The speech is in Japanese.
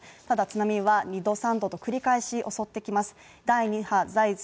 ただ、津波は２度、３度と繰り返し襲ってきます。